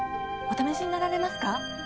お試しになられますか？